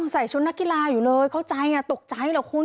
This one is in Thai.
ใส่ชุดนักกีฬาอยู่เลยเข้าใจตกใจเหรอคุณ